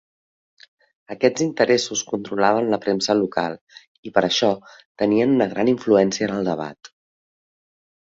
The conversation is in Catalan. Aquests interessos controlaven la premsa local i, per això, tenien una gran influència en el debat.